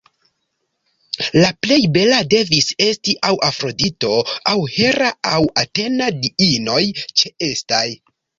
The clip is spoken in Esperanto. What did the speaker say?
La plej bela devis esti aŭ Afrodito aŭ Hera aŭ Atena, diinoj ĉeestaj.